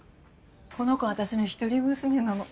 この子私の一人娘なの。